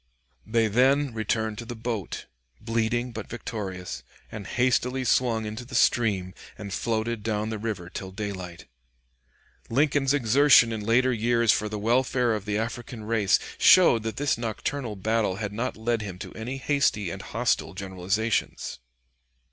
They then returned to the boat, bleeding but victorious, and hastily swung into the stream and floated down the river till daylight. Lincoln's exertion in later years for the welfare of the African race showed that this nocturnal battle had not led him to any hasty and hostile generalizations.